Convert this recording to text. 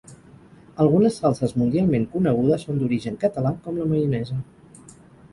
Algunes salses mundialment conegudes són d'origen català, com la maionesa.